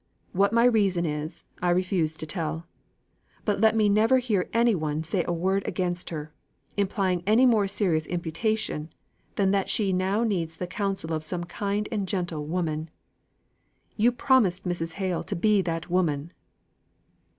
What my reason is, I refuse to tell. But never let me hear any one say a word against her, implying any more serious imputation than that she now needs the counsel of some kind and gentle woman. You promised Mrs. Hale to be that woman!"